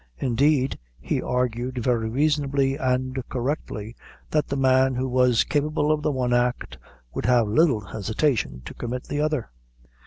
Indeed, he argued very reasonably and correctly, that the man who was capable of the one act, would have little hesitation to commit the other.